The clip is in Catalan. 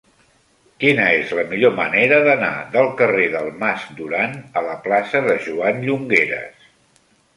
Quina és la millor manera d'anar del carrer del Mas Duran a la plaça de Joan Llongueras?